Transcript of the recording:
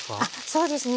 そうですね。